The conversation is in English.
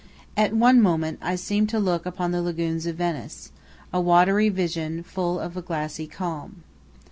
At one moment I seemed to look upon the lagoons of Venice, a watery vision full of a glassy calm.